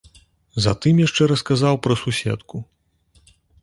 Затым яшчэ расказаў пра суседку.